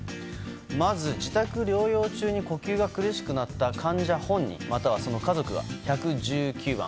まず、自宅療養中に呼吸が苦しくなった患者本人、またはその家族が１１９番。